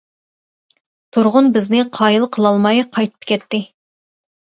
تۇرغۇن بىزنى قايىل قىلالماي قايتىپ كەتتى.